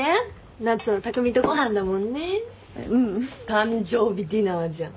誕生日ディナーじゃん。